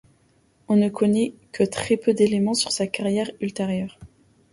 On ne connait que très peu d'éléments sur sa carrière ultérieure.